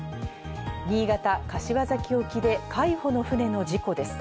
新潟・柏崎沖で海保の船の事故です。